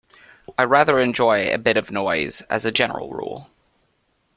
I rather enjoy a bit of noise, as a general rule.